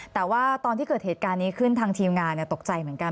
แต่ว่าตอนที่เกิดเหตุการณ์นี้ขึ้นทางทีมงานตกใจเหมือนกัน